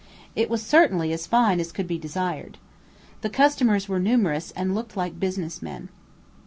It was certainly as fine as could be desired. The customers were numerous, and looked like business men.